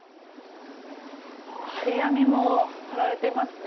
貼り紙も貼られていますね。